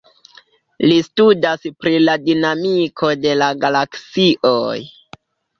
Li studas pri la dinamiko de la galaksioj.